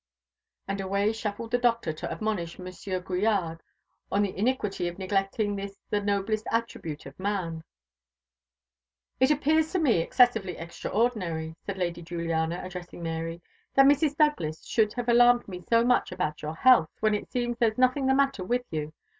And away shuffled the Doctor to admonish Monsieur Grillade on the iniquity of neglecting this the noblest attribute of man. "It appears to me excessively extraordinary," said Lady Juliana, addressing Mary, "that Mrs. Douglas should have alarmed me so much about your health, when it seems there's nothing the matter with you.